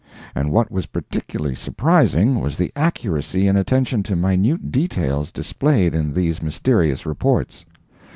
And what was particularly surprising, was the accuracy and attention to minute details displayed in these mysterious reports.